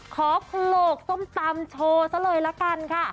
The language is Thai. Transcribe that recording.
ขอโขลกส้มตำโชว์ซะเลยละกันค่ะ